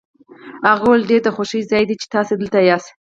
هغه وویل ډېر د خوښۍ ځای دی چې تاسي دلته یاست.